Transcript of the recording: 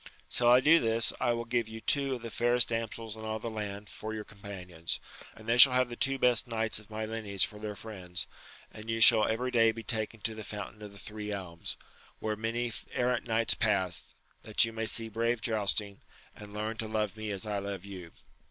Till I do this, I will give you two of the fairest damsels in all this land for your companions, and they shall have the two best knights of my lineage for their friends ; and you shall every day be taken to the fountain of the Three Elms, where many errant knights pass, that you may see brave jousting, and learn to love me as I love you.